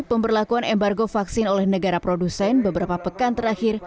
pemberlakuan embargo vaksin oleh negara produsen beberapa pekan terakhir